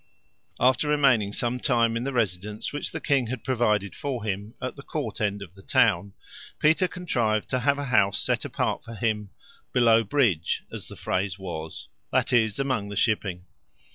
After remaining some time in the residence which the king had provided for him at the court end of the town, Peter contrived to have a house set apart for him "below bridge," as the phrase was that is, among the shipping.